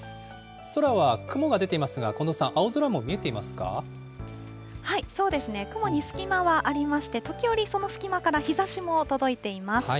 空は雲が出ていますが、近藤さん、はい、そうですね、雲に隙間はありまして、時折、その隙間から日ざしも届いています。